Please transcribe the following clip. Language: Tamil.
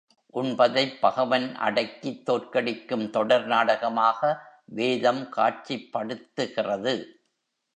உண்பதைப் பகைவனை அடக்கித் தோற்கடிக்கும் தொடர் நாடகமாக வேதம் காட்சிப்படுத்துகிறது.